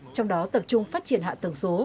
trong đó tập trung phát triển hạ tầng số